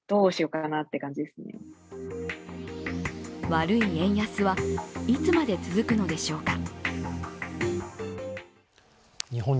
悪い円安は、いつまで続くのでしょうか。